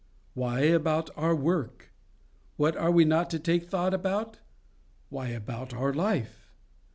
Why, about our work. What are we not to take thought about? Why, about our life.